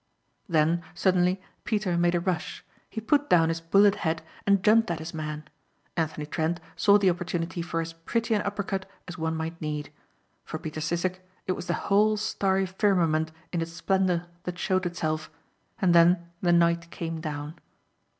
Then, suddenly, Peter made a rush. He put down his bullet head and jumped at his man. Anthony Trent saw the opportunity for as pretty an upper cut as one might need. For Peter Sissek it was the whole starry firmament in its splendor that showed itself, and then the night came down.